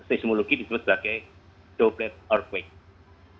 ini disebut sebagai doblet berkekuatan